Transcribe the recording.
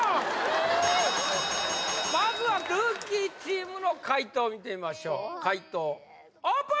まずはルーキーチームの解答見てみましょう解答オープン！